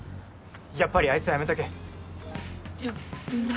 やっぱりあいつはやめとけいや何？